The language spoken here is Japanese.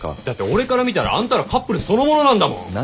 だって俺から見たらあんたらカップルそのものなんだもん。